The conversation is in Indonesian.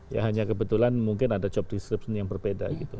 ya hanya kebetulan mungkin ada job disruption yang berbeda gitu